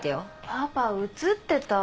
パパ映ってた？